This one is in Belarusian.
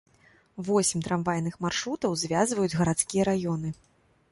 Восем трамвайных маршрутаў звязваюць гарадскія раёны.